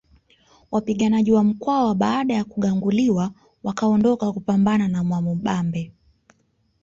Wapiganaji wa Mkwawa baada ya kuganguliwa wakaondoka kupambana na Mwamubambe